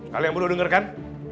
kalian perlu dengarkan